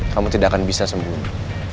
kamu tidak akan bisa sembuh